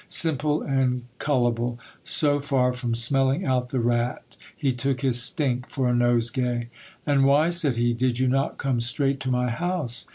Simple and cullible, so far from smelling out the rat, he took his stink for a nosegay. And why, said he, did you not come straight to my house